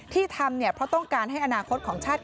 ที่ทำเนี่ยเพราะต้องการให้อนาคตของชาติ